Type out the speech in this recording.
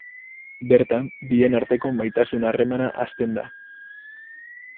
Bertan, bien arteko maitasun-harremana hasten da.